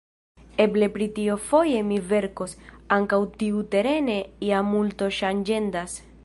Eble pri tio foje mi verkos; ankaŭ tiuterene ja multo ŝanĝendas.